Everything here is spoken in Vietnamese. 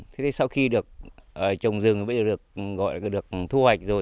thế thì sau khi được trồng rừng bây giờ được thu hoạch rồi